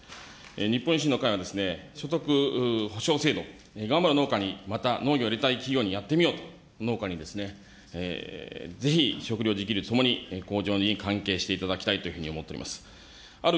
日本維新の会は、所得ほしょう制度、農家に、農業をやりたい企業にやってみようという、農家にぜひ食料自給率とともに向上に関係していただきたいというふうに思っております。